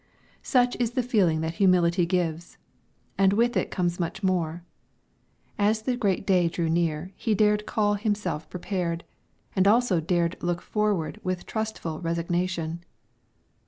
Such is the feeling that humility gives, and with it comes much more. As the great day drew near he dared call himself prepared, and also dared look forward with trustful resignation.